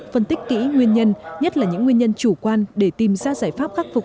phân tích kỹ nguyên nhân nhất là những nguyên nhân chủ quan để tìm ra giải pháp khắc phục